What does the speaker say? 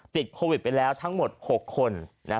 ติดโควิดไปแล้วทั้งหมด๖คน